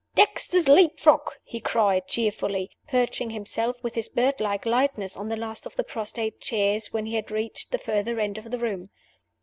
"Dexter's Leap frog!" he cried, cheerfully, perching himself with his birdlike lightness on the last of the prostrate chairs when he had reached the further end of the room.